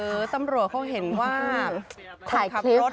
สำหรับตำรวจเขาเห็นว่าการขับรถ